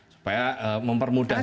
supaya mempermudah juga